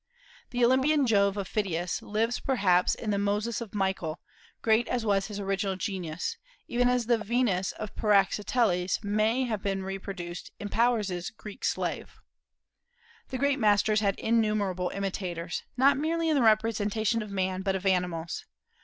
The Olympian Jove of Phidias lives perhaps in the Moses of Michael Angelo, great as was his original genius, even as the Venus of Praxiteles may have been reproduced in Powers's Greek Slave. The great masters had innumerable imitators, not merely in the representation of man but of animals.